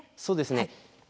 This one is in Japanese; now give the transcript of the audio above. そうですね。